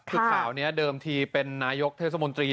คือข่าวนี้เดิมทีเป็นนายกเทศมนตรี